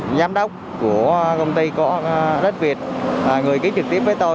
nhóm đốc của công ty của đất việt người ký trực tiếp với tôi